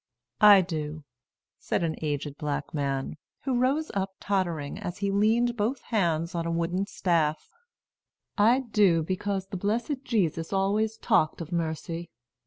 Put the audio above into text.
"I do," said an aged black man, who rose up tottering, as he leaned both hands on a wooden staff, "I do; because the blessed Jesus always talked of mercy.